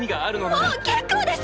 もう結構です！